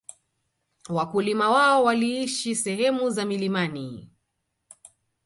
Wakulima wao waliishi sehemu za milimani